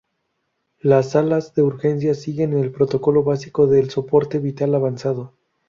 Las salas de urgencias siguen el protocolo básico del soporte vital avanzado.